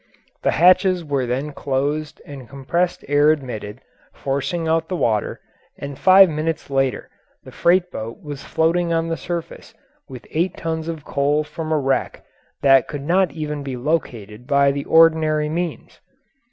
The hatches were then closed and compressed air admitted, forcing out the water, and five minutes later the freight boat was floating on the surface with eight tons of coal from a wreck which could not even be located by the ordinary means.